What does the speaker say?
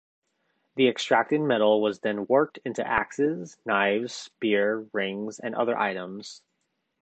The extracted metal was then worked into axes, knives, spear, rings and other items.